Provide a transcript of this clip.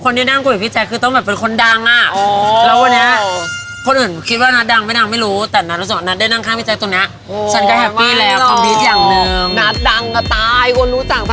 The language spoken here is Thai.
เลิศเอาเป็นว่าเราเป็นสรวนกระตาชนค่ะ